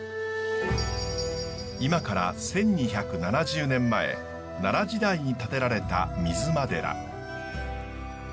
今から１，２７０年前奈良時代に建てられた水間寺。